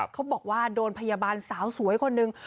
เขาบอกว่าโดนพยาบาลสาวสวยคนหนึ่ง